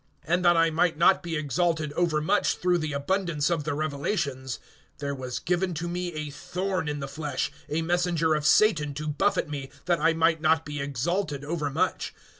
(7)And that I might not be exalted overmuch through the abundance of the revelations, there was given to me a thorn in the flesh, a messenger of Satan to buffet me, that I might not be exalted overmuch.